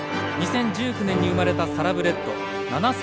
２０１９年に生まれたサラブレッド。